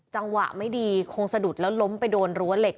จังหวะไม่ดีคงสะดุดแล้วล้มไปโดนรั้วเหล็ก